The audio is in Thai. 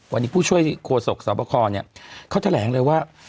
วันนี้ผู้ช่วยโฆษกสอบคอเนี่ยเขาแถลงเลยว่า